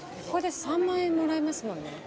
ここで３万円もらえますもんね。